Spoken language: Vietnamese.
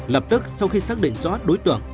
lập tức sau khi xác định rõ đối tượng